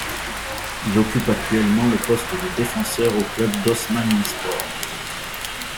Il occupe actuellement le poste de défenseur au club d'Osmanlispor.